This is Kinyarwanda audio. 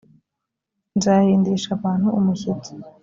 nzahindisha abantu umushyitsi